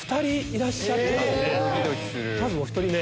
まずお１人目。